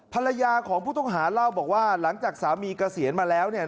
ภรรยาของผู้ต้องหาเล่าบอกว่าหลังจากสามีเกษียณมาแล้วเนี่ย